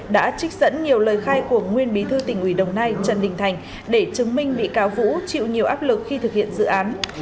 đã trích dẫn nhiều lời khai của nguyên bí thư tỉnh ủy đồng nai trần đình thành để chứng minh bị cáo vũ chịu nhiều áp lực khi thực hiện dự án